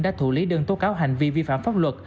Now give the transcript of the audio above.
đã thủ lý đơn tố cáo hành vi vi phạm pháp luật